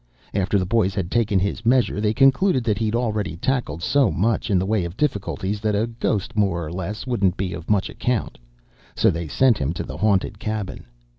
After the boys had taken his measure, they concluded that he'd already tackled so much in the way of difficulties that a ghost more or less wouldn't be of much account. So they sent him to the haunted cabin.